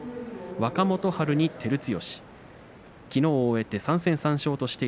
若元春に照強。